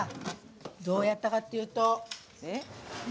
どうやったかっていうと。